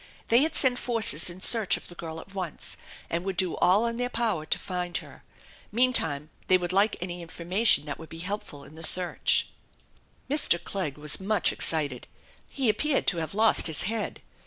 They had sent forces in search of the girl at once and would do all in their power to find her. Meantime they would like any information that would be helpful in the search. Mr. Clegg was much excited. He appeared to have lost his head.